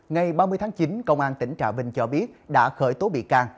ngày ba mươi tháng chín công an tỉnh trà vinh cho biết đã khởi tố bị can